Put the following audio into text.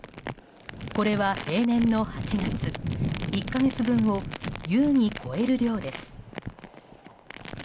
これは平年の８月１か月分を優に超える量です。